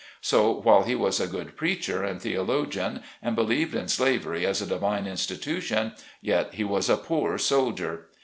So while he was a good preacher and theologian, and believed in slavery as a divine institution, yet he was a poor soldier.